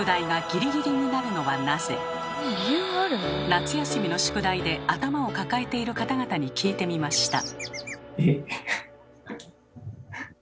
夏休みの宿題で頭を抱えている方々に聞いてみました。